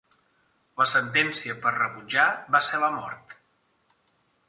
La sentencia per rebutjar va ser la mort.